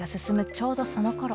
ちょうどそのころ。